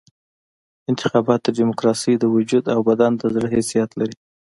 انتخابات د ډیموکراسۍ د وجود او بدن د زړه حیثیت لري.